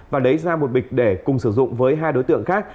và lấy ra một bịch để cùng sử dụng với hai đối tượng khác